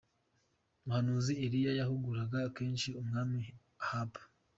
Umuhanuzi Eliya yahuguraga kenshi umwami Ahabu.